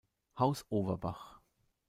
Haus Overbach".